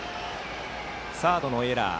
サードのエラー。